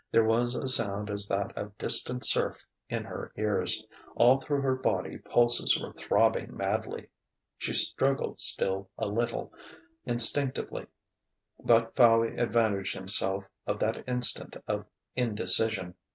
There was a sound as that of distant surf in her ears. All through her body pulses were throbbing madly. She struggled still a little, instinctively; but Fowey advantaged himself of that instant of indecision.